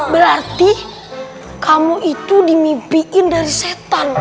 berarti kamu itu dimimpiin dari setan